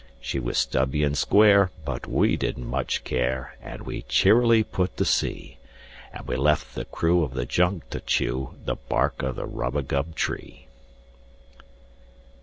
She was stubby and square, but we didn't much care, And we cheerily put to sea; And we left the crew of the junk to chew The bark of the rubagub tree.